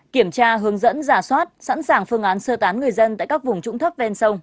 kiểm tra hướng dẫn giả soát sẵn sàng phương án sơ tán người dân tại các vùng trũng thấp ven sông